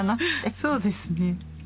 そうですね。